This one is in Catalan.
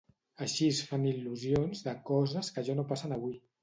Així es fan il·lusions de coses que ja no passen avui.